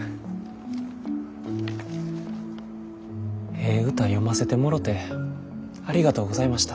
ええ歌読ませてもろてありがとうございました。